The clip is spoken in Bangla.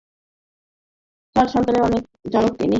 চার সন্তানের জনক তিনি।